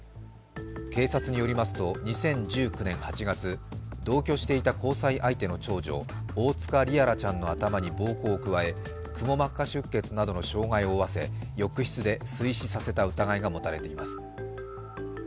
警察によりますと、２０１９年８月、同居していた交際相手の長女、大塚璃愛來ちゃんの頭に暴行を加え、くも膜下出血などの傷害を負わせ浴室で水死させた疑いが持たれています。